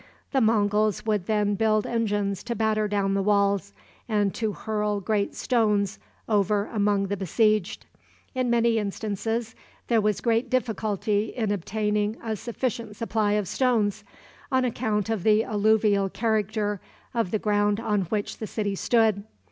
The Monguls would then build engines to batter down the walls, and to hurl great stones over among the besieged. In many instances there was great difficulty in obtaining a sufficient supply of stones, on account of the alluvial character of the ground on which the city stood.